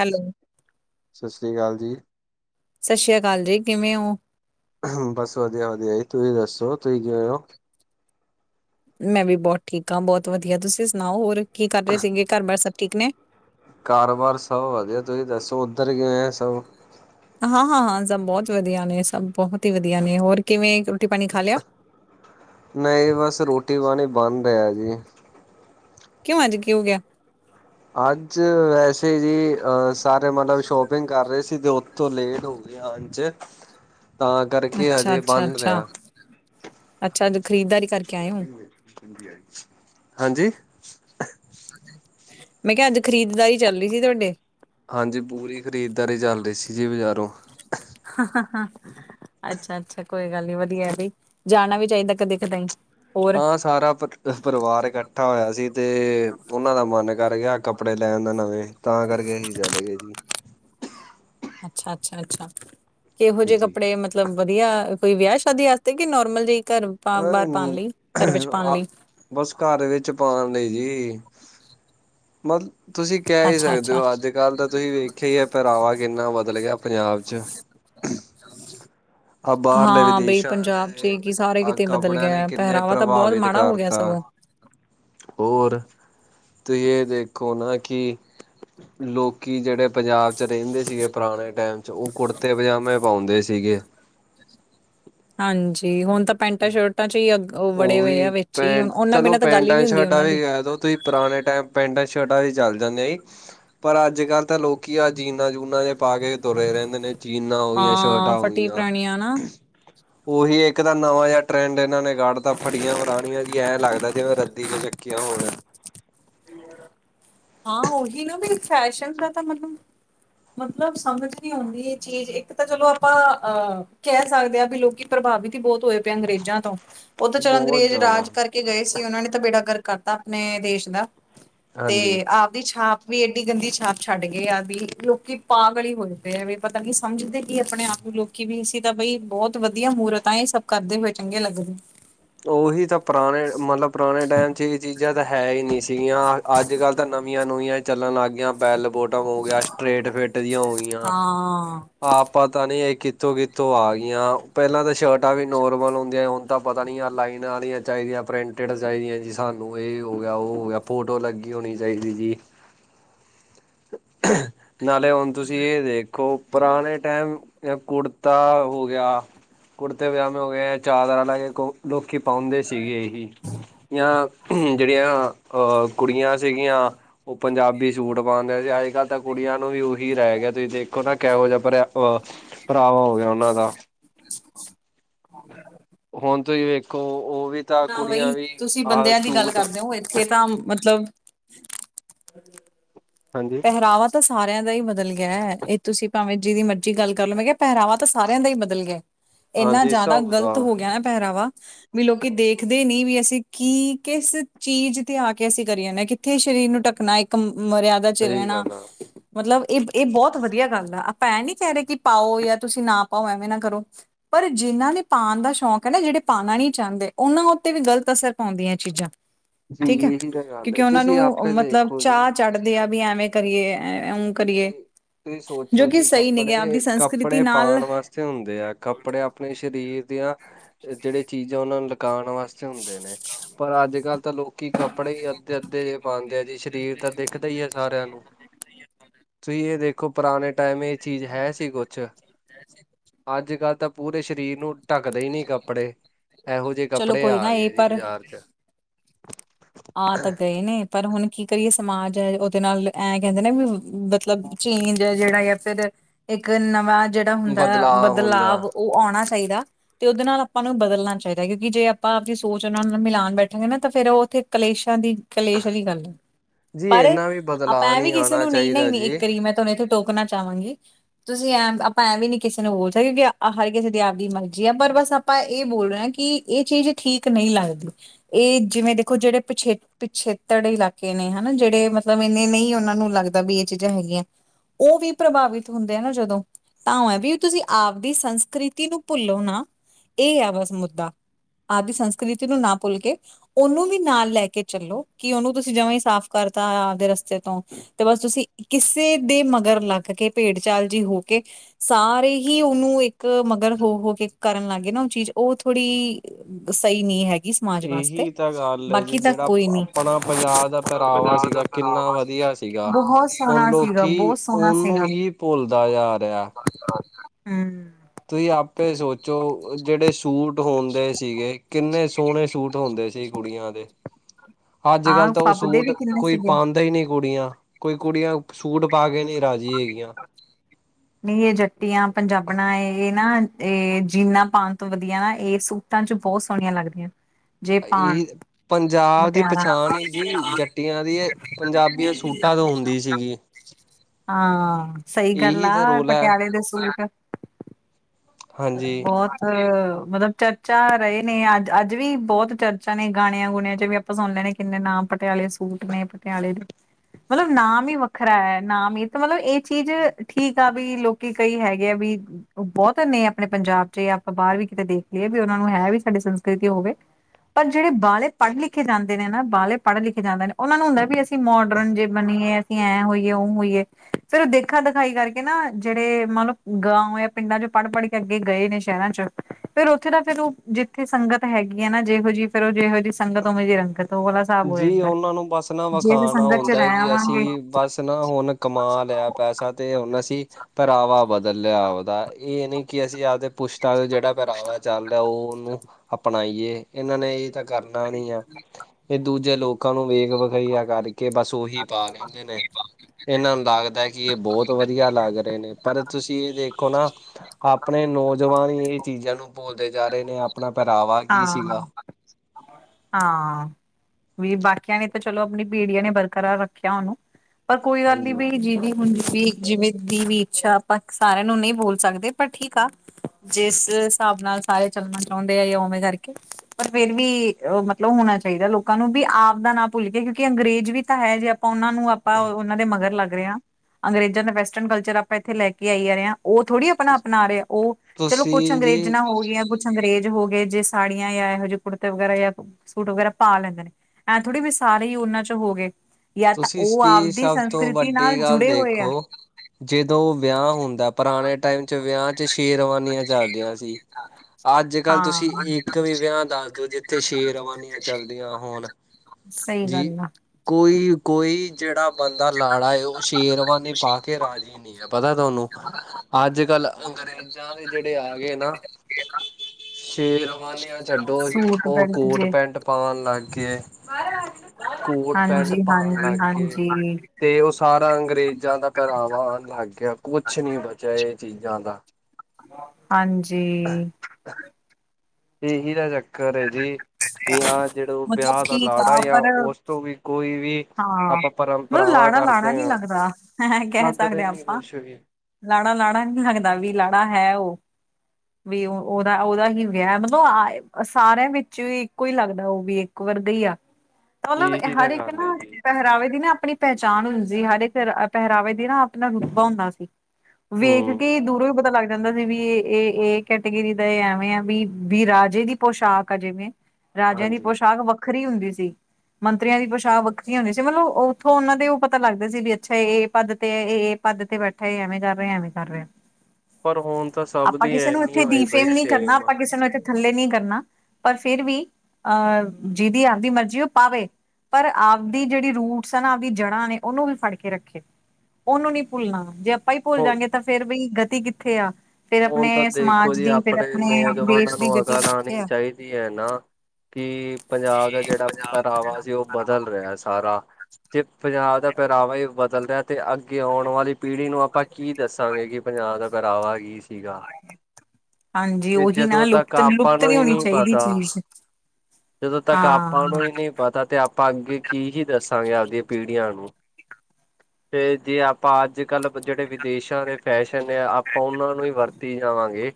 Hello. ਸਤਿ ਸ਼੍ਰੀ ਅਕਾਲ ਜੀ। ਸਤਿ ਸ੍ਰੀ ਅਕਾਲ ਜੀ, ਕਿਵੇਂ ਉ? ਬਸ ਵਧੀਆ -ਵਧੀਆ ਜੀ, ਤੁਸੀਂ ਦੱਸੋ ਤੁਸੀਂ ਕਿਵੇਂ ੳਂ? ਮੈਂ ਵੀ ਬੋਤ ਠੀਕ ਹਾਂ ਬੋਤ ਵਧੀਆ, ਤੁਸੀਂ ਸੁਨਾਓ ਹੋਰ ਕੀ ਕਰ ਰਏ ਸੀਗੇ, ਘਾਰ ਬਾਰ ਸਭ ਠੀਕ ਨੇ। ਘਾਰ ਬਾਰ ਸਭ ਵਧੀਆ, ਤੁਸੀਂ ਦੱਸੋ ਉੱਧਰ ਕਿਵੇਂ ਸਭ। ਹਾਂ -ਹਾਂ -ਹਾਂ, ਸਭ ਬੋਤ ਵਧੀਆ ਨੇ ਸਭ ਬਹੁਤ ਹੀ ਵਧੀਆ ਨੇ, ਹੋਰ ਕਿਵੇਂ ਰੋਟੀ ਪਾਨੀ ਖਾ ਲਿਆ। ਨਹੀਂ ਬਸ ਰੋਟੀ, ਪਾਣੀ ਬੰਨ ਰਿਆ ਜੀ। ਕਿਉਂ ਅੱਜ ਕਿ ਹੋ ਗਿਆ। ਅੱਜ ਵੈਸੇ ਜੀ ਅ ਸਾਰੇ ਮਤਲਬ, ਸ਼ੋਪਿੰਗ ਕਰ ਰਹੇ ਸੀ ਤੇ ਉੱਥੋਂ ਲੇਟ ਹੋ ਗਏ ਆਨ ਚ। ਤਾਂ ਕਰਕੇ ਹਜੇ ਬੰਨ ਅੱਛਾ-ਅੱਛਾ-ਅੱਛਾ, ਰਿਆ। ਅੱਛਾ ਅੱਛਾ ਅੱਛਾ ਅੱਜ ਖਰੀਦਦਾਰੀ ਕਰਕੇ ਆਏ ਹੋ? ਹਾਂਜੀ। ਮੈਂ ਕਿਆ ਅੱਜ ਖਰੀਦਦਾਰੀ ਚੱਲ ਰਈ ਸੀ, ਤੁਹਾਡੇ। ਹਾਂਜੀ ਪੂਰੀ ਖਰੀਦਦਾਰੀ ਚੱਲ ਰਈ ਸੀ, ਜੀ ਬਜ਼ਾਰੋਂ। ਅੱਛਾ- ਅੱਛਾ, ਕੋਈ ਗੱਲ ਨੀ ਵਧੀਆ ਬ ਜਾਣਾ ਵੀ ਚਾਈਦਾ ਕਦੇ ਕਦਈ। ਹਾਂ ਸਾਰਾ ਪਰਿਵਾਰ ਇਕੱਠਾ ਹੋਇਆ ਸੀ, ਤੇ ਉਨਾਂ ਦਾ ਮਨ ਕਰ ਗਿਆ। ਕੱਪੜੇ ਲੈਨ ਦਾ ਨਵੇਂ, ਤਾਂ ਕਰਕੇ ਅਸੀਂ ਚਲੇ ਗਏ ਸੀ। ਅੱਛਾ- ਅੱਛਾ- ਅੱਛਾ, ਕਿਹੋ ਜੇ ਹਾਂਜੀ। ਕੱਪੜੇ ਮਤਲ ਮਤਲਬ ਵਧੀਆ ਕੋਈ ਵਿਆਹ ਸ਼ਾਦੀ ਵਾਸਤੇ, ਕਿ ਨੋਰਮਲ ਜਿਹੀ ਘਾਰ ਬਾਹਰ ਪਾਨ ਲਈ, ਘਰ ਵਿੱਚ ਪਾਨ ਅ ਲਈ। ਬਸ ਘਾਰ ਵਿੱਚ ਪਾਨ ਲਈ ਜੀ। ਮਤ ਤੁਸੀਂ ਕੈ ਈ ਸਕਦੇ ਅੱਛਾ-ਅੱਛਾ, ਹੋ, ਅੱਜ -ਕੱਲ੍ਹ ਤਾਂ ਤੁਸੀਂ ਵੇਖਿਆ ਈ ਏ ਪਹਿਰਾਵਾ ਕਿੰਨਾ ਬਦਲ ਗਿਆ ਪੰਜਾਬ ਚ। ਆਹ [inaudible] ਬਾਹਰਲੇ ਹਾਂ ਬਈ ਵਿਦੇਸ਼ਾਂ ਪੰਜਾਬ ਚ ਦੇ ਕੀ, ਸਾਰੇ ਆ ਕਿਤੇ ਬਦਲ ਕੱਪੜਿਆਂ ਗਿਆ ਨੇ ਕਿੰਨੇ ਪਹਿਰਾਵਾ ਤਾਂ ਬਹੁਤ ਪ੍ਰਭਾਵਿਤ ਮਾੜਾ ਹੋ ਗਿਆ ਕਰਤਾ। ਸਗੋਂ। ਹੋਰ ਤੇ। ਵੇਖੋ ਨਾ ਕਿ ਲੋਕ ਜੇੜੇ। ਪੰਜਾਬ ਚ ਰੈਦੇ ਸੀਗੇ, ਪੁਰਾਣੇ ਟੈਮ ਚ ਉਹ ਕੁੜਤੇ- ਪਜਾਮੇ ਪਾਉਂਦੇ ਸੀਗੇ। ਹਾਂਜੀ ਹੁਣ ਤਾਂ ਪੈਂਟਾਂ-ਸ਼ਰਟਾਂ ਚ ਆਈਓ ਉਹ ਬੜੇ ਹੋਏ ਉਹੀ ਆ ਵਿੱਚ ਹੀ, ਹੁਣ ਪੈਂਟ ਉਹਨਾਂ ਚਲੋ ਬਿਨਾਂ ਤਾਂ ਗੱਲ ਹੀ ਪੈਂਟਾਂ ਨਹੀਂ ਹੁੰਦੀ ਸ਼ਰਟਾਂ ਉਹਨਾਂ ਵੀ ਦੀ। ਕਹਿ ਦੋ ਤੁਸੀਂ ਪੁਰਾਣੇ ਟਾਈਮ, ਪੈਂਟ ਸ਼ਰਟਾਂ ਵੀ ਚੱਲ ਜਾਂਦੀਆਂ ਜੀ ਪਰ ਅੱਜ-ਕੱਲ੍ਹ ਤਾਂ ਲੋਕੀ ਆ, ਜੀਨਾ-ਜੂਨਾ ਜੇ ਪਾ ਕੇ ਤੁਰੇ ਰਹਿੰਦੇ ਨੇ ਚੀਨਾਂ ਹੋਗਈਆਂ, ਹਾਂ ਸ਼ਰਟਾਂ ਹੋ ਫਟੀ ਗਈਆਂ ਪੁਰਾਣੀਆਂ ਨਾ ਉਹੀ ਇੱਕ ਤਾਂ ਨਵਾਂ ਜਿਹਾ, ਟਰੈਂਡ ਇਹਨਾਂ ਨੇ ਤਾਂ ਫੜੀਆਂ ਪੁਰਾਣੀਆਂ ਜ ਐਂ ਲੱਗਦਾ, ਜਿਵੇਂ ਰੱਦੀ ਚ ਚੱਕੀਆਂ ਹੋਣ। ਹਾਂ, ਉਹੀ ਨਾ, ਵੀ ਫੈਸ਼ਨ ਦਾ ਤਾਂ ਮਤਲਬ ਮਤਲਬ ਸਮਝ ਨੀ ਆਉਂਦੀ, ਇਹ ਚੀਜ਼ ਇੱਕ ਤਾਂ ਚਲੋ, ਆਪਾਂ ਅਹ ਕਹਿ ਸਕਦੇ ਹਾਂ ਵੀ ਲੋਕੀ ਪ੍ਰਭਾਵਿਤ ਹੀ ਬਹੁਤ ਹੋਏ ਪਏ, ਅੰਗਰੇਜ਼ਾਂ ਤੋਂ ਉੱਧ ਚਲੋ ਬਹੁਤ ਅੰਗਰੇਜ਼ ਜ਼ਿਆਦਾ। ਰਾਜ ਕਰਕੇ। ਕੇ ਗਏ ਸੀ, ਉਹਨਾਂ ਨੇ ਤਾਂ ਬੇੜਾਗਰ ਕਰਤਾ ਆਪਣੇ ਦੇਸ਼ ਦਾ ਤੇ। ਹਾਂਜੀ। ਆਪਦੀ ਛਾਪ ਵੀ ਇਏਡੀ ਗੰਦੀ ਛਾਪ ਛੱਡ ਗਏ ਆ ਵੀ, ਲੋਕੀ ਪਾਗਲੀ ਹੋ ਜਾਂਦੇ ਆ ਵੀ। ਪਤਾ ਨਹੀਂ ਸਮਝਦੇ ਕਿ ਆਪਣੇ ਆਗੂ ਲੋਕੀ ਵੀ, ਅਸੀਂ ਤਾਂ ਬਈ ਬਹੁਤ ਵਧੀਆ ਮਹੂਰਤ ਆ, ਇਹ ਸਭ ਕਰਦੇ ਹੋਏ ਚੰਗੇ ਲੱਗਦੇ। ਉਹੀ ਤਾਂ ਪੁਰਾਣੇ, ਮਤਲਬ ਪੁਰਾਣੇ ਟਾਈਮ, 'ਚ ਇਹ ਚੀਜ਼ਾਂ ਤਾਂ ਹੈ ਹੀ ਨਹੀਂ ਸੀਗੀਆਂ। ਅੱਜ-ਕੱਲ੍ਹ ਤਾਂ ਨਵੀਆਂ-ਨਵੀਆਂ ਹੀ ਚੱਲਣੱਗ ਗਿਆ। ਜ ਬੈੱਲ-ਬੋਟਮ ਹੋ ਗਿਆ, ਸਟਰੇਟ-ਫਿੱਟ ਦੀਆਂ ਹੋ ਗਈਆਂ। ਹਾਂ ਪਾਂਤਾ ਨੀ, ਇਹ ਕਿੱਥੋਂ-ਕਿੱਥੋਂ ਆ ਗਈਆਂ। ਪਹਿਲਾਂ ਤਾਂ ਸ਼ਰਟਾਂ ਵੀ ਨੋਰਮਲ ਹੁੰਦੀਆਂ ਹੁਣ ਤਾਂ ਪਤਾ ਪ ਲਾਈਨਾਂ ਵਾਲੀਆਂ ਚਾਹੀਦੀਆਂ, ਪ੍ਰਿੰਟਡ ਚਾਹੀਦੀਆਂ ਜੀ। ਸਾਨੂੰ ਇਹ ਹੋ ਗਿਆ, ਉਹ ਹੋ ਗਿਆ। ਫੋਟੋ ਲੱਗੀ ਹੋਣੀ ਚਾਹੀਦੀ ਜੀ। [unintelligible] ਨਾਲੇ ਹੁਣ ਤੁਸੀਂ ਇਹ ਦੇਖੋ, ਪੁਰਾਣੇ ਟਾਈਮ ਕੁੜਤਾ ਹੋ ਗਿਆ, ਕੁੜਤੇ-ਬਜਾਮੇ ਹੋ ਗਏ, ਚਾਦਰਾ ਲੱਗ ਕੇ ਦੇਖੋ ਲੋਕ ਪਾਉਂਦੇ ਸੀਗੇ ਹੀ, ਜਾਂ ਜਿਹੜੀਆਂ ਕੁੜੀਆਂ ਸੀਗੀਆਂ, ਉਹ ਪੰਜਾਬੀ ਸੂਟ ਪਾਉਂਦੇਆਂ ਸੀ। ਅੱਜ ਕੱਲ੍ਹ ਤਾਂ ਕੁੜੀਆਂ ਨੂੰ ਵੀ ਉਹੀ ਗਿਆ ਤੁਸੀਂ ਦੇਖੋ ਨਾ, ਕਿਹੋ ਜਿਹਾ ਭਰਾਵਾ ਹੋ ਗਿਆ ਉਹਨਾਂ ਦਾ। [inaudible] ਹੁਣ ਤੁਸੀਂ ਵੇਖੋ, ਉਹ ਵੀ ਤਾਂ ਨਾ ਕੁੜੀਆਂ ਬਾਈ, ਵੀ ਤੁਸੀਂ ਆਹ ਬੰਦਿਆਂ ਦੀ ਗੱਲ ਸੂਟ ਕਰਦੇ ਹੋ, ਇੱਥੇ ਤਾਂ ਮਤਲਬ ਹਾਂਜੀ। ਪਹਿਰਾਵਾ ਤਾਂ ਸਾਰਿਆਂ ਦਾ ਹੀ ਬਦਲ ਗਿਆ, ਇਹ ਤੁਸੀਂ ਭਾਵੇਂ ਜਿਹਦੀ ਮਰਜ਼ੀ ਗੱਲ ਕਰ, ਲੋ ਮੈਂ ਕਿਹਾ ਪਹਿਰਾਵਾ ਤਾਂ ਸਾਰਿਆਂ ਦਾ ਹੀ ਬਦਲ ਗਿਆ, ਇੰਨਾ ਹਾਂਜੀ ਜ਼ਿਆਦਾ ਸਭ ਦਾ ਗ਼ਲਤ ਹੋ ਗਿਆ ਨਾ ਪਹਿਰਾਵਾ ਵੀ ਲੋਕੀ ਦੇਖਦੇ ਨੀ, ਵੀ ਅਸੀਂ ਕੀ ਕਿਸ ਚੀਜ਼ ਤੇ ਆ ਕੇ ਅਸੀਂ ਕਰੀ ਜਾਂਦੇ ਕਿ ਇੱਥੇ ਸਰੀਰ ਨੂੰ ਢੱਕਣਾ, ਇੱਕ ਮਰਿਆਦਾ ਚ ਸਹੀ ਰਹਿਣਾ। ਗੱਲ ਆ ਮਤਲਬ, ਇਹ ਇਹ ਬਹੁਤ ਵਧੀਆ ਗੱਲ ਆ। ਆਪਾਂ ਐਂ ਨੀ ਕਹਿ ਰਹੇ ਕਿ ਪਾਓ, ਜਾਂ ਤੁਸੀਂ ਨਾ ਪਾਓ ਐਵੇਂ ਨਾ ਕਰੋ ਪਰ ਜਿਹਨਾਂ ਨੇ ਪਾਉਣ ਦਾ ਸ਼ੌਕ ਹੈ ਨਾ, ਜਿਹੜੇ ਪਾਉਣਾ ਨਹੀਂ ਚਾਹੁੰਦੇ, ਉਹਨਾਂ ਉੱਤੇ ਵੀ ਗ਼ਲਤ ਅਸਰ ਪਾਉਂਦੀਆਂ ਚੀਜ਼ਾਂ। ਜੀ ਠੀਕ ਹੈ, ਇਹੀ ਤਾਂ ਗੱਲ ਹੈ ਕਿਉਂਕਿ ਉਹਨਾਂ ਤੁਸੀਂ ਨੂੰ ਆਪੇ ਮਤਲਬ ਦੇਖੋ ਜੀ ਚਾਹ ਚੜ੍ਹਦੇ ਆ ਵੀ ਐਵੇਂ ਕਰੀਏ ਉਹ, ਕਰੀਏ ਤੁਸੀਂ ਤੁਸੀਂ ਜੋ ਸੋਚੋ ਕਿ ਜੀ ਸਹੀ ਨੇਗੇ, ਆਪਦੀ ਸੰਸਕ੍ਰਿਤੀ ਨਾਲ ਇੱਕ ਹੁੰਦੇ ਆ ਕੱਪੜੇ ਆਪਣੇ ਸਰੀਰ ਦੀਆਂ ਜਿਹੜੇ ਚੀਜ਼ਾਂ ਉਹਨਾਂ ਨੂੰ ਲਕਾਉਣ ਵਾਸਤੇ ਹੁੰਦੇ ਨੇ, ਪਰ ਅੱਜ ਕੱਲ੍ਹ ਤਾਂ ਲੋਕ ਕਿ ਕੱਪੜੇ ਹੀ ਅੱਧੇ-ਅੱਧੇ ਜਿਹੇ ਪਾਉਦੇ ਆ ਜੀ, ਸਰੀਰ ਤਾਂ ਦਿਖਦਾ ਹੀ ਹੈ ਸਾਰਿਆਂ ਨੂੰ ਤੁਸੀਂ ਇਹ ਦੇਖੋ, ਪੁਰਾਣੇ ਟਾਈਮ ਇਹ ਚੀਜ਼ ਹੈ ਸੀ ਕੁਛ ਅੱਜ ਕੱਲ੍ਹ ਤਾਂ ਪੂਰੇ ਸਰੀਰ ਨੂੰ ਢੱਕਦੇ ਹੀ ਨੀ, ਕੱਪੜੇ ਇਹੋ ਜਿਹੇ ਚਲੋ ਕੱਪੜੇ ਕੋਈ ਨਾ ਆ ਇਹ ਗਏ ਜੀ ਪਰ ਬਾਜ਼ਾਰ ਚ। ਹਾਂ, ਤਾਂ ਗਏ ਨੇ ਪਰ ਹੁਣ ਕੀ ਕਰੀਏ, ਸਮਾਜ ਹੈ ਉਹਦੇ ਨਾਲ ਐ ਕਹਿੰਦੇ ਨਾ ਵੀ ਮਤਲਬ ਚੇਂਜ ਆ ਜਿਹੜਾ ਫਿਰ ਇੱਕ ਨਵਾਂ ਜਿਹੜਾ ਹੁੰਦਾ ਐ ਬਦਲਾਅ ਬਦਲਾਵ, ਹੁੰਦਾ ਉਹ ਆਉਣਾ ਚਾਹੀਦਾ। ਤੇ ਉਹਦੇ ਨਾਲ ਆਪਾਂ ਨੂੰ ਬਦਲਣਾ ਚਾਹੀਦਾ, ਕਿਉਂਕਿ ਜੇ ਆਪਾਂ ਆਪਦੀ ਸੋਚ ਉਹਨਾਂ ਨਾਲ ਮਿਲਾਨਉਣ ਬੈਠਾਂਗੇ ਨਾ ਤਾਂ ਫੇਰ ਉਹ ਉੱਥੇ ਕਲੇਸ਼ਾਂ ਦੀ ਕਲੇਸ਼ ਵਾਲੀ ਗੱਲ ਹੈ ਜੀ ਪਰ ਇੰਨਾ ਵੀ ਬਦਲਾਅ ਆਪਾਂ ਐ ਵੀ ਨਹੀਂ ਕਿਸੇ ਆਉਣਾ ਨੂੰ ਨਹੀਂ ਚਾਹੀਦਾ ਨਹੀਂ ਨਹੀਂ ਜੀ ਇੱਕੀ ਮੈਂ ਤੁਹਾਨੂੰ ਇੱਥੇ ਟੋਕਣਾ ਚਾਵਾਂਗੀ। ਤੁਸੀਂ ਐਂ ਆਪਾਂ ਐਂ ਵੀ ਨੀ ਕਿਸੇ ਨੂੰ ਬੋਲ ਸਕਦੇ, ਕਿਉਂਕਿ ਹਰ ਕਿਸੇ ਦੀ ਆਪ ਦੀ ਮਰਜ਼ੀ ਆ ਪਰ ਬਸ ਆਪਾਂ ਇਹ ਬੋਲ ਰਹੇ ਹਾਂ ਕਿ ਇਹ ਚੀਜ਼ ਠੀਕ ਨਹੀਂ ਲੱਗਦੀ, ਇਹ ਜਿਵੇਂ ਦੇਖੋ ਜਿਹੜੇ ਪਿੱਛੇ ਪਿੱਛੇਤੜ ਇਲਾਕੇ ਨੇ, ਹਨਾ ਜਿਹੜੇ ਮਤਲਬ ਇੰਨੇ ਨਹੀਂ ਉਹਨਾਂ ਨੂੰ ਲੱਗਦਾ ਵੀ ਇਹ ਚੀਜ਼ਾਂ ਹੈਗੀਆਂ। ਉਹ ਵੀ ਪ੍ਰਭਾਵਿਤ ਹੁੰਦੇ ਆ ਨਾ ਜਦੋਂ ਤਾਂ ਹੋ ਵੀ ਤੁਸੀਂ ਆਪਦੀ ਸੰਸਕ੍ਰਿਤੀ ਨੂੰ ਭੁੱਲੋ ਨਾ, ਇਹ ਹੈ ਬਸ ਮੁੱਦਾ ਆਪਦੀ ਸੰਸਕ੍ਰਿਤੀ ਨੂੰ ਨਾ ਭੁੱਲ ਕੇ, ਉਹਨੂੰ ਵੀ ਨਾਲ ਲੈ ਕੇ ਚੱਲੋ ਕਿ ਉਹਨੂੰ ਤੁਸੀਂ ਜਵੇ ਹੀ ਸਾਫ਼ ਕਰਤਾ ਆਪਦੇ ਰਸਤੇ ਤੋਂ ਤੇ ਬਸ ਤੁਸੀਂ ਕਿਸੇ ਦੇ ਮਗਰ ਲੱਗ ਕੇ ਭੇੜ ਚਾਲ ਜੀ ਹੋ ਕੇ ਸਾਰੇ ਹੀ ਉਹਨੂੰ ਇੱਕ ਮਗਰ ਹੋ ਹੋ ਕੇ ਕਰਨ ਲੱਗ ਗਏ ਨਾ ਉਹ ਚੀਜ਼, ਉਹ ਥੋੜ੍ਹੀ ਸਹੀ ਨਹੀਂ ਹੈਗੀ। ਸਮਾਜ ਏ ਵਾਸਤੇ ਹੀ ਤਾਂ ਗੱਲ ਲੋ ਬਾਕੀ ਜੀ ਤਾਂ ਜਿਹੜਾ ਕੋਈ ਨੀ ਆਪਣਾ ਪੰਜਾਬ ਦਾ ਪਹਿਰਾਵਾ ਸੀਗਾ ਕਿੰਨਾ ਵਧੀਆ ਸੀਗਾ। ਬਹੁਤ ਹੁਣ ਸੋਹਣਾ ਸੀਗਾ ਲੋਕੀ ਬਹੁਤ ਸੋਹਣਾ ਉਹਨੂੰ ਹੀ ਭੁੱਲਦਾ ਜਾ ਰਿਹਾ। ਹੂ ਹੂ ਤੁਸੀਂ ਆਪੇ ਸੋਚੋ, ਜਿਹੜੇ ਸੂਟ ਹੁੰਦੇ ਸੀਗੇ, ਕਿੰਨੇ ਸੋਹਣੇ ਸੂਟ ਹੁੰਦੇ ਸੀ ਕੁੜੀਆਂ ਦੇ ਅੱਜ ਕੱਲ੍ਹ ਹਾਂ ਤਾਂ ਉਹ ਫੱਬਦੇ ਸੂਟ ਵੀ ਕਿੰਨੇ ਕੋਈ ਸੀਗੇ ਪਾਉਂਦਾ ਹੀ ਨਹੀਂ ਕੁੜੀਆਂ। ਕੋਈ ਕੁੜੀਆਂ ਸੂਟ ਪਾ ਕੇ ਨਹੀਂ ਰਾਜੀ ਹੈਗੀਆਂ। [unintelligible] ਨਹੀਂ ਇਹ ਜੱਟੀਆਂ ਪੰਜਾਬਣਾ, ਇਹ ਨਾ ਇਹ ਜੀਨਾ ਪਾਉਣ ਤੋਂ ਵਧੀਆ ਨਾ ਇਹ ਸੂਟ ਟਾਂ ਚ ਬਹੁਤ ਸੋਹਣੀਆਂ ਲੱਗਦੀਆਂ ਜੇ ਪਾਉਣ ਇਹ ਪੰਜਾਬ ਦੀ ਮੁਟਿਆਰਾਂ ਪਛਾਣ ਏ ਜੀ, ਜੱਟੀਆਂ ਦੀ ਏ ਪੰਜਾਬੀਆਂ ਸੂਟਾਂ ਤੋਂ ਹੁੰਦੀ ਸੀਗੀ ਹਾਂ, ਸਹੀ ਗੱਲ ਇਹੀ ਤਾਂ ਆ ਰੋਲ ਹੈ ਪਟਿਆਲੇ ਦੇ ਸੂਟ ਹਾਂਜੀ। ਬਹੁਤ ਅ ਮਤਲਬ ਚਰਚਾ ਰਹੇ ਨੇ, ਅੱਜ ਅੱਜ ਵੀ ਬਹੁਤ ਚਰਚਾ ਨੇ ਗਾਣਿਆਂ ਗੁਣਿਆਂ ਚ ਵੀ ਆਪਾਂ ਸੁਣ ਲੈਣੇ ਕਿੰਨੇ ਨਾਮ, ਪਟਿਆਲੇ ਸੂਟ ਨੇ, ਪਟਿਆਲੇ ਦੇ ਮਤਲਬ ਨਾਮ ਹੀ ਵੱਖਰਾ ਹੈ, ਨਾਮ ਹੀ ਤਾਂ ਮਤਲਬ ਇਹ ਚੀਜ਼ ਠੀਕ ਆ ਵੀ ਲੋਕੀ ਕਈ ਹੈਗੇ ਆ ਵੀ ਉਹ ਬਹੁਤ ਨੇ ਆਪਣੇ ਪੰਜਾਬ ਚ ਆਪਾਂ ਬਾਹਰ ਵੀ ਕਿਤੇ ਦੇਖ ਲਈ ਏ, ਵੀ ਉਹਨਾਂ ਨੂੰ ਹੈ ਵੀ ਸਾਡੀ ਸੰਸਕ੍ਰਿਤੀ ਹੋਵੇ ਪਰ ਜਿਹੜੇ ਬਾਲੇ ਪੜ੍ਹ ਲਿਖੇ ਜਾਂਦੇ ਨੇ ਨਾ, ਬਾਲੇ ਪੜ੍ਹ ਲਿਖੇ ਜਾਂਦੇ ਨੇ ਉਹਨਾਂ ਨੂੰ ਹੁੰਦਾ ਵੀ ਅਸੀਂ ਅਸੀਂ ਮੋਡਰਨ ਜੇ ਬਣੀਏ, ਅਸੀਂ ਐਂ ਹੋਈਏ ਉਹ ਹੋਈਏ ਫਿਰ ਉਹ ਦੇਖਾ ਦਿਖਾਈ ਕਰਕੇ ਨਾ, ਜਿਹੜੇ ਮਤਲਬ ਗਾਉ ਜਾਂ ਪਿੰਡਾਂ ਚ ਪੜ੍ਹ ਪੜ੍ਹ ਅੱਗੇ ਗਏ ਨੇ ਸ਼ਹਿਰਾਂ ਚ ਫੇਰ ਉੱਥੇ ਤਾਂ ਫਿਰ ਉਹ, ਜਿੱਥੇ ਸੰਗਤ ਹੈਗੀ ਹੈ ਨਾ ਜਿਹੋ ਜਿਹੀ ਫੇਰ ਉਹ ਜਿਹੋ ਜਿਹੀ ਸੰਗਤ ਉਵੇੇ ਜ ਰੰਗਤ, ਉਹ ਵਾਲਾ ਹਿਸਾਬ ਹੋ ਜੀ ਜਾਂਦਾ, ਉਹਨਾਂ ਨੂੰ ਬਸ ਨਾ ਜੇ ਅਸੀਂ ਵਿਖਾਣਾ ਸੰਗਤ ਚ ਰਹਿ ਕਿ ਆਵਾਂਗੇ ਅਸੀਂ ਬਸ ਨਾ ਹੁਣ ਕਮਾਲ ਹੈ, ਪੈਸਾ ਤੇ ਹੁਣ ਅਸੀਂ ਪਹਿਰਾਵਾ ਬਦਲ ਲਿਆ ਉਹਦਾ, ਇਹ ਨਹੀਂ ਕਿ ਅਸੀਂ ਆਪਦੇ ਪੁੱਛਤਾ ਜਿਹੜਾ ਪਹਿਰਾਵਾ ਚੱਲ ਰਿਹਾ ਔ ਉਹਨੂੰ ਆਪਣਾਈ ਏ, ਇਹਨਾਂ ਨੇ ਇਹ ਤਾਂ ਕਰ ਨਾਣੀ ਆ, ਇਹ ਦੂਜੇ ਲੋਕਾਂ ਨੂੰ ਵੇਖ ਵਖਈਆ ਕਰਕੇ ਬਸ ਔਹੀ ਪਾ ਲੈਂਦੇ ਨੇ ਏਨਾਂ ਨੂੰ ਲੱਗਦਾ ਕਿ ਏ ਬੋਤ ਵਦੀਆ ਲੱਗ ਰੇ ਨੇ ਪਰ ਤੁਸੀਂ ਏ ਦੇਖੋ ਨਾ ਆਪਣੇ ਨੌਜਵਾਨ ਹੀ ਏ ਚੀਜ਼ਾਂ ਨੂੰ ਭੁਲਦੇ ਜਾ ਰੇ ਨੇ ਆਪ ਆਪਣਾ ਪਹਿਰਾਵਾ ਕੀ ਸੀਗਾ ਹਾਂ-ਹਾਂ, ਹਾਂ। ਵੀ ਬਾਕੀਆਂ ਨੇ ਤਾਂ ਚਲੋ ਆਪਣੀ ਪੀੜੀਆਂ ਨੇ ਬਰਕਰਾਂ ਰੱਖਿਆ ਓਨੂੰ, ਪਰ ਕੋਈ ਗੱਲ ਨੀ ਹਾਂਜੀ ਵੀ ਜੀਦੀ ਹੁਣ ਜਿਵੇਂ ਦੀ ਵੀ ਇੱਛਾ ਆਪਾਂ ਸਾਰੇਆਂ ਨੂੰ ਨਈਂ ਬੋਲ ਸਕਦੇ ਪਰ ਠੀਕ ਆ ਜਿਸ ਸਾਬ ਨਾਲ ਸਾਰੇ ਚੱਲਣਾ ਚੋਂਦੇ ਆ ਜਾਂ ਉਵੇਂ ਕਰਕੇ ਪਰ ਫੇਰ ਵੀ ਮਤਲਬ ਹੋਣਾ ਚਾਈਦਾ ਲੋਕਾਂ ਨੂੰ ਵੀ ਆਪ ਦਾ ਨਾ ਭੁੱਲ ਕੇ ਕਿਓਂਕੇ ਅੰਗਰੇਜ਼ ਵੀ ਤਾਂ ਹੈ ਜੇ ਓਨਾਂ ਨੂੰ ਆਪਾਂ ਓਨਾਂ ਦੇ ਮਗਰ ਲੱਗ ਰਹੇ ਹਾਂ। ਅੰਗਰੇਜ਼ਾਂ ਦਾ ਵੈਸਟਰਨ ਕਲਚਰ ਆਪਾਂ ਇੱਥੇ ਲੈਕੇ ਆਈ ਯਾ ਰੇ ਆਂ ਓ ਥੋੜੀ ਆਪਣਾ-ਅਪਣਾ ਰੇ ਓ ਚਲੋ ਕੁੱਛ ਤੁਸੀਂ ਅੰਗਰੇਜ਼ਾ ਜੀ ਨਾ ਹੋ ਗਈਆਂ ਕੁੱਛ ਅੰਗਰੇਜ਼ ਹੋ ਗਏ। ਜੇ ਸਾੜੀਆਂ ਯਾਂ ਏਹੋ ਜਿਹੇ ਕੁੜਤੇ ਵਗੈਰਾ ਯਾ ਸੂਟ ਵਗੈਰਾ ਪਾ ਲੈਂਦੇ ਨੇ ਜੇ ਐਂ ਥੋੜੀ ਵੀ ਸਾਰੇ ਈ ਓਨਾਂ ਚੋਂ ਹੋ ਗਏ। ਜਾਂ ਤਾਂ ਤੁਸੀਂ ਇਸ ਉਹ ਦੀ ਆਪਦੀ ਸਬ ਤੋਂ ਸੰਸਕ੍ਰਿਤੀ ਨਾਲ ਵੱਡੀ ਗੱਲ ਜੁੜੇ ਹੋਏ ਆ ਦੇਖੋ ਜੇਦੋਂ ਵਿਆਹ ਹੁੰਦਾ ਪੁਰਾਣੇ ਟੈਮ ਚ ਵਿਆਹ ਚ ਸ਼ੇਰਵਾਨੀਆਂ ਚੱਲਦੀਆਂ ਸੀ। ਅੱਜ-ਕੱਲ ਹਾਂ ਤੁਸੀਂ ਇੱਕ ਵੀ ਵਿਆਹ ਦੱਸਦੋ ਜਿੱਥੇ ਸ਼ੇਰਵਾਨੀਆਂ ਚੱਲਦੀਆਂ ਹੋਣ। ਸਈ ਗੱਲ ਐ। ਕੋਈ-ਕੋਈ ਜੇੜਾ ਬੰਦਾ ਲਾੜਾ ਏ ਓ ਸ਼ੇਰਵਾਨੀ ਪਾ ਕੇ ਰਾਜੀ ਨੀ ਐ ਪਤਾ ਥੋਨੂੰ ਅੱਜ-ਕੱਲ ਅੰਗਰੀ [unintelligible] ਦੇ ਜੇੜੇ ਆ ਗਏ ਨਾ ਸ਼ੇਰਵਾਨੀਆ ਛੱਡੋ ਸੂਟ ਓ ਬੈਲਟ ਕੋਟ ਜੇ ਪੈਂਟ ਪਾਣ ਲਾਗੇ ਗੇ, ਕੋਟ ਪੈਂਟ ਹਾਂਜੀ ਪਾਨ ਹਾਂਜੀ ਲਾਗੇ। ਹਾਂਜੀ ਤੇ ਓ ਸਾਰਾ ਅੰਗਰੇਜ਼ਾਂ ਦਾ ਪੈਰਾਵਾ ਆਣ ਲਾਗੇਆ ਕੁਛ ਨੀ ਬਚੇਆ ਏ ਚੀਜ਼ਾਂ ਦਾ ਹਾਂਜੀ। ਏਹੀ ਦਾ ਚੱਕਰ ਐ ਜੀ। ਜਾਂ ਜੇੜਾ ਓ ਮਤਲਬ ਵਿਆਹ ਦਾ ਠੀਕ ਆ ਲਾੜਾ ਯਾਂ ਪਰ ਓਸ ਤੋਂ ਵੀ ਕੋਈ ਵੀ ਹਾਂ ਆਪਾਂ ਪਰਮ ਲਾੜਾ ਲਾੜਾ ਨੀ ਲੱਗਦਾ ਐਂਏ ਕੈ ਲੱਗਦਾ ਹੀ ਸਕਦੇ ਆ ਨੀ ਆਪਾਂ। ਕੁਛ ਵੀ ਲਾੜਾ-ਲਾੜਾ ਨੀ ਲੱਗਦਾ ਵੀ ਲਾੜਾ ਹੈ ਓ। ਵੀ ਓ ਓਦਾ ਹੀ ਵਿਆਹ ਐ ਮਤਲਬ ਓ ਆ ਏ ਸਾਰੇਆਂ ਵਿੱਚ ਇੱਕੋ ਈ ਲੱਗਦਾ ਓ ਵੀ ਇੱਕ ਵਰਗਾ ਈ ਆ। ਮਤਲਬ ਇਹੀ ਹਰ ਤਾਂ ਇੱਕ ਗੱਲ ਹੈ ਨਾ ਜੀ ਪਹਿਰਾਵੇ ਦੀ ਨਾ ਆਪਣੀ ਪਹਿਚਾਣ ਹੁੰਦੀ ਸੀ, ਹਰ ਇੱਕ ਪਹਿਰਾਵੇ ਦੀ ਨਾ ਆਪਣਾ ਰੁਤਬਾ ਹੁੰਦਾ ਸੀ। ਵੇਖ ਹਮ ਕੇ ਦੂਰੋਂ ਈ ਪਤਾ ਲੱਗ ਜਾਂਦਾ ਸੀ ਵੀ ਏ, ਏ ਏ ਕੈਟੇਗਰੀ ਦਾ ਐਵੇਂ ਆ ਵੀ, ਵੀ ਰਾਜੇ ਦੀ ਪੋਸ਼ਾਕ ਆ ਜਿਵੇਂ। ਰਾਜੇਆਂ ਦੀ ਹਾਂਜੀ ਪੁਸ਼ਾਕ ਵੱਖਰੀ ਹੁੰਦੀ ਸੀ। ਮੰਤਰੀਆਂ ਦੀ ਪੁਸ਼ਾਕ ਵੱਖਰੀਆਂ ਹੁੰਦੀਆਂ ਸੀ ਮਤਲਬ ਓਥੋਂ ਓਨਾਂ ਦੇ ਓ ਪਤਾ ਲੱਗਦਾ ਸੀ ਵੀ ਅੱਛਾ ਏ ਪੱਦ ਤੇ ਏ ਪੱਦ ਤੇ ਬੈਠਾ ਏ ਐਵੇਂ ਦਾ ਏ ਐਵੇਂ ਕਰ ਰਿਆ। ਪਰ ਹੁਣ ਤਾਂ ਸਭ ਆਪਾਂ ਦੀ ਕਿਸੇ ਨੂੰ ਐਨੀ ਏਥੇ ਡੀ ਹੋਈ ਫੇਮ ਪਈ ਨੀ ਕਰਨਾ ਸੇਮ ਆਪਾਂ ਕਿਸੇ ਨੂੰ ਏਥੇ ਥੱਲੇ ਨੀ- ਕਰਨਾ ਪਰ ਫਿਰ ਵੀ ਅ ਜੀਦੀ ਆਪਦੀ ਮਰਜ਼ੀ ਓ ਪਾਵੇ ਪਰ ਆਪਦੀ ਜੇੜੀ ਰੂਟਸ ਆ ਨਾ ਆਪਦੀ ਜੜਾ ਨੇ, ਓਨੂੰ ਵੀ ਫੜ ਕੇ ਰੱਖੇ। ਓਨੂੰ ਨੀ ਭੁੱਲਣਾ, ਜੇ ਆਪਾਂ ਈ ਭੁੱਲ ਜਾਂਗੇ ਤਾਂ ਫੇਰ ਬੀ ਗਤੀ ਕਿੱਥੇ ਆ। ਫਿਰ ਆਪਣੇ ਹੁਣ ਤਾਂ ਦੇਖੋ ਸਮਾਜ ਜੀ ਦੀ, ਫਿਰ ਆਪਣੇ ਦੇਸ਼ ਦੀ ਗਤੀ ਕਿੱਥੇ ਆ ਐ ਨਾ ਕਿ ਪੰਜਾਬ ਦਾ ਜੇੜਾ ਪੈਹਰਾਵਾ ਸੀ, ਓ ਬਦਲ ਰਿਆ ਸਾਰਾ। ਜੇ ਪੰਜਾਬ ਦਾ ਪਹਰਾਵਾ ਈ ਬਦਲਦੈ ਤੇ ਅੱਗੇ ਆਉਣ ਵਾਲੀ ਪੀੜ੍ਹੀ ਨੂੰ ਆਪਾਂ ਕੀ ਦੱਸਾਂਗੇ ਕਿ ਪੰਜਾਬ ਦਾ ਪਹਰਾਵਾ ਕੀ ਸੀ। ਸੀਗਾ ਹਾਂਜੀ ਤੇ ਉਹੀ ਨਾ ਜਦੋਂ ਤੱਕ ਲੁਪਤ ਆਪਾਂ ਲੁਪਤ ਨੂੰ ਈ ਹੋਣੀ ਨੀ ਚਾਹੀਦੀ ਪਤਾ ਚੀਜ਼ ਜਦੋਂ ਤੱਕ ਆਪਾਂ ਨੂੰ ਹਾਂ ਈ ਨੀ ਪਤਾ ਤੇ ਆਪ ਪਾਂ ਅੱਗੇ ਕੀ ਹੀ ਦੱਸਾਂਗੇ, ਆਪਦੀਆਂ ਪੀੜ੍ਹੀਆਂ ਨੂੰ। ਤੇ ਜੇ ਆਪਾਂ ਅੱਜ-ਕੱਲ ਜੇੜੇ ਵਿਦੇਸ਼ਾਂ ਦੇ ਫੈਸ਼ਨ ਏ ਆਪਾਂ ਓਨਾਂ ਨੂੰ ਈ ਵਰਤੀ ਜਾਵਾਂਗੇ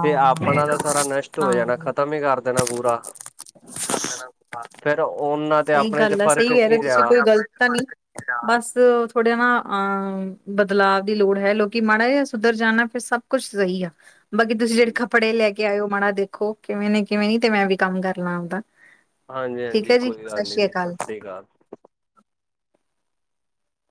ਤੇ ਆਪਣਾ ਤਾਂ ਸਾਰਾ ਨਸ਼ਟ ਹੋ ਜਾਣਾ, ਖਤਮ ਈ ਕਰ ਦੇਣਾ ਪੂਰਾ। ਫੇਰ ਉਹਨਾਂ ਤੇ ਸਈ ਆਪਣੇ ਚ ਗੱਲ ਐ, ਸਈ ਫ਼ਰਕ ਕੈ ਰੇ ਕੀ ਰਿਹਾ ਤੁਸੀਂ ਕੋਈ ਗਲਤ ਤਾਂ ਨਈ। ਬਸ ਥੋੜ੍ਹੇ ਨਾ ਅਹ ਬਦਲਾਵ ਦੀ ਲੋੜ ਹੈ ਲੋਕੀ ਮਾੜਾ ਜਾ ਸੁਧਰ ਜਾਨ ਨਾ ਫਿਰ ਸਭ ਕੁੱਛ ਸਹੀ ਆ। ਬਾਕੀ ਤੁਸੀਂ ਜੇੜੇ ਹਾਂਜੀ ਕੱਪੜੇ ਲੈ ਕੇ ਆਏ ਓ ਮਾੜਾ ਦੇਖੋ, ਕਿਵੇਂ ਨੇ ਕਿਵੇਂ ਨੀ ਤੇ ਮੈਂ ਵੀ ਕੰਮ ਕਰ ਲਾਂ ਆਪ ਦਾ। ਹਾਂਜੀ-ਹਾਂਜੀ ਕੋਈ ਗੱਲ ਨੀ ਜੀ, ਸਸ ਸ਼੍ਰੀ ਕਾਲ।